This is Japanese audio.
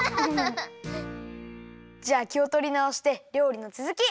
じゃあきをとりなおしてりょうりのつづき！